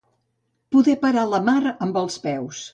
Poder parar la mar amb els peus.